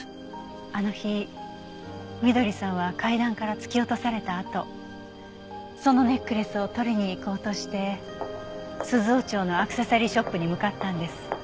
あの日翠さんは階段から突き落とされたあとそのネックレスを取りに行こうとして鈴尾町のアクセサリーショップに向かったんです。